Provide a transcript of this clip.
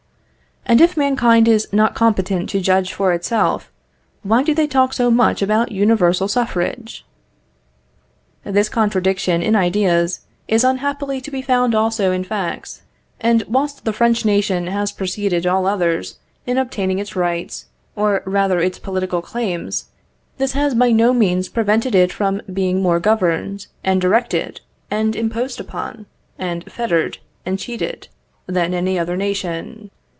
And if mankind is not competent to judge for itself, why do they talk so much about universal suffrage? This contradiction in ideas is unhappily to be found also in facts; and whilst the French nation has preceded all others in obtaining its rights, or rather its political claims, this has by no means prevented it from being more governed, and directed, and imposed upon, and fettered, and cheated, than any other nation.